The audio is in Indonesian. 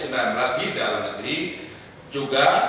di dalam negeri juga